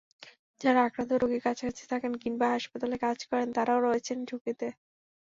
যাঁরা আক্রান্ত রোগীর কাছাকাছি থাকেন কিংবা হাসপাতালে কাজ করেন, তাঁরাও রয়েছেন ঝুঁকিতে।